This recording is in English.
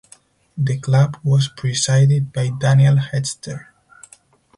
The club was presided by Daniel Hechter.